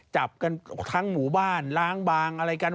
จับกันทั้งหมู่บ้านล้างบางอะไรกัน